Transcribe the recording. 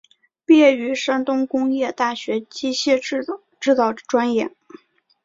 毕业于山东工业大学机械制造专业。